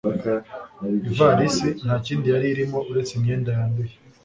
Ivalisi nta kindi yari irimo uretse imyenda yanduye